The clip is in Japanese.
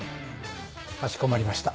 かしこまりました。